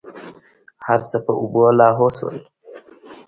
هرڅه په اوبو لاهو سول.